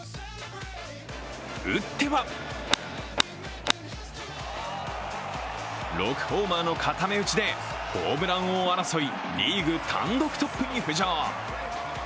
打っては６ホーマーの固め打ちでホームラン王争いリーグ単独トップに浮上。